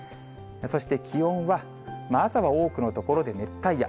そして、気温は朝は多くの所で熱帯夜。